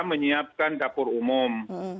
menyiapkan dapur umum